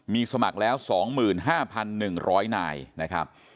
มีสมัครแล้ว๒๕๑๐๐นายนะครับ